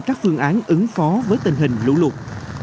các phương án ứng phó với tình hình lũ lụt